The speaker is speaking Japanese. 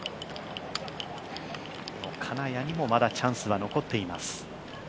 金谷にもまだチャンスは残っています。